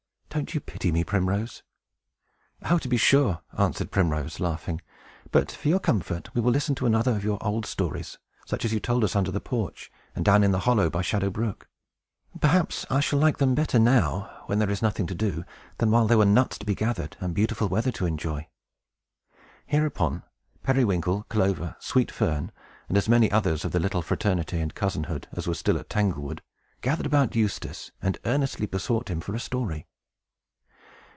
Don't you pity me, Primrose?" "Oh, to be sure!" answered Primrose, laughing. "But, for your comfort, we will listen to another of your old stories, such as you told us under the porch, and down in the hollow, by Shadow Brook. Perhaps I shall like them better now, when there is nothing to do, than while there were nuts to be gathered, and beautiful weather to enjoy." Hereupon, Periwinkle, Clover, Sweet Fern, and as many others of the little fraternity and cousinhood as were still at Tanglewood, gathered about Eustace, and earnestly besought him for a story.